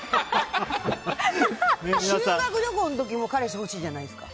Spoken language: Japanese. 修学旅行の時も彼氏欲しいじゃないですか。